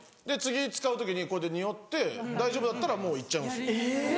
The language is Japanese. で次使う時にこうやってにおって大丈夫だったらもう行っちゃいます。